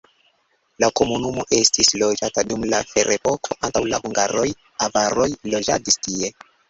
La komunumo estis loĝata dum la ferepoko, antaŭ la hungaroj avaroj loĝadis tie.